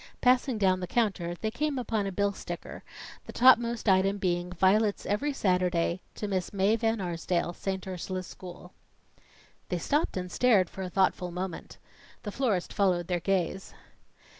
Passing down the counter, they came upon a bill sticker, the topmost item being, "Violets every Saturday to Miss Mae Van Arsdale, St. Ursula's School." They stopped and stared for a thoughtful moment. The florist followed their gaze.